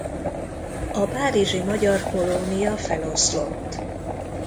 A párizsi magyar kolónia feloszlott.